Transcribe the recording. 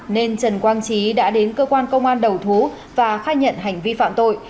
nên trần quang trí đã đến cơ quan công an đầu thú và khai nhận hành vi phạm tội